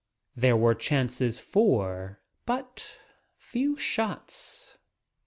There were chances for but few shots.